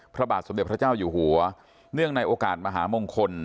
พระบาทสมเด็จพระเจ้าอยู่หัวเนื่องในโอกาสมหามงคล